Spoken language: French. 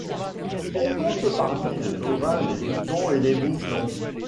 On compte parmi les ovins les moutons et les mouflons.